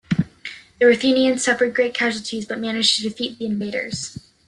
The Ruthenians suffered great casualties, but managed to defeat the invaders.